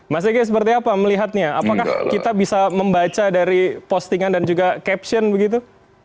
mas ege seperti apa melihatnya apakah kita bisa membaca dari postingan dan juga caption begitu